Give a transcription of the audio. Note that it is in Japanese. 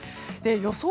予想